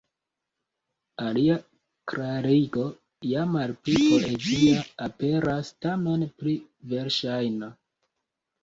Alia klarigo, ja malpli poezia, aperas tamen pli verŝajna.